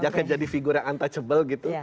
jangan jadi figur yang untouchable gitu